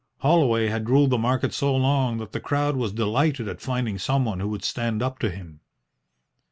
Holloway had ruled the market so long that the crowd was delighted at finding someone who would stand up to him.